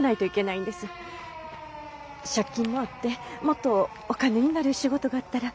借金もあってもっとお金になる仕事があったら。